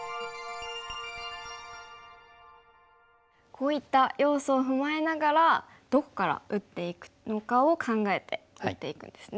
こういった要素を踏まえながらどこから打っていくのかを考えて打っていくんですね。